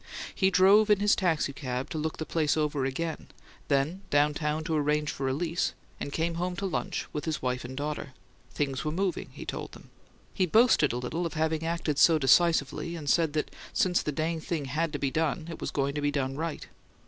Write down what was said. He drove in his taxicab to look the place over again, then down town to arrange for a lease; and came home to lunch with his wife and daughter. Things were "moving," he told them. He boasted a little of having acted so decisively, and said that since the dang thing had to be done, it was "going to be done RIGHT!"